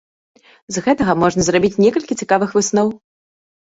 З гэтага можна зрабіць некалькі цікавых высноў.